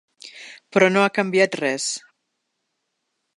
Però no ha canviat res.